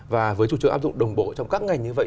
và với chủ trương áp dụng đồng bộ trong các ngành như vậy